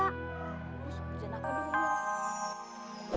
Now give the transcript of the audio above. gak bisa udah nakal dia umi